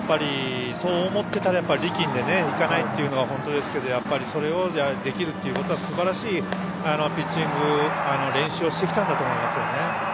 そう思ってたら、力んでいかないっていうのが本当ですがそれをできるということはすばらしいピッチング練習をしてきたんだと思います。